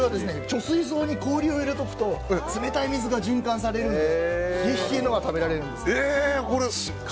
貯水槽に氷を入れておくと冷たい水が循環されるので冷え冷えなのが食べられるんです。